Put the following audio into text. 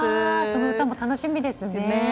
その歌の楽しみですね。